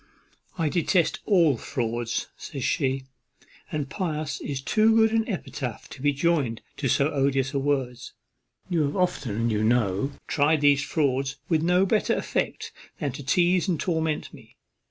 "I detest all fraud," says she; "and pious is too good an epithet to be joined to so odious a word. You have often, you know, tried these frauds with no better effect than to teize and torment me.